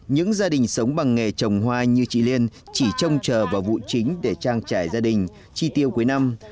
những gia đình sống bằng nghề trồng hoa như chị liên chỉ trông chờ vào vụ chính để trang trải gia đình chi tiêu cuối năm